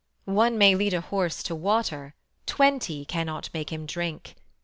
One may lead a horse to water, Twenty cannot make him drink.